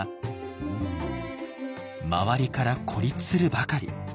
周りから孤立するばかり。